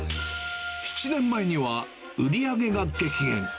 ７年前には、売り上げが激減。